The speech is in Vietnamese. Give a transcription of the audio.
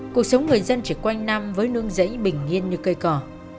cuộc sống người dân chỉ quanh năm với nương rẫy bình yên như cây cỏ